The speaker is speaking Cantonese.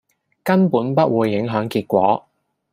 根本不會影響結果